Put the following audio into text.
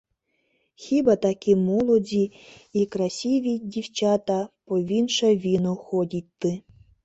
Хиба таки молоди и красиви дивчата повинша вину ходиты?